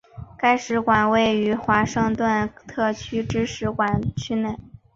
该使馆位于华盛顿特区之使馆区内。